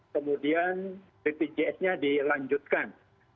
kemudian ppjs nya dilanjutkan